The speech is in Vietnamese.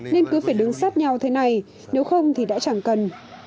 nên cứ phải đứng sát nhau thế này nếu không thì đã chẳng cần